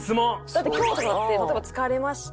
だって今日とかだって例えば疲れました。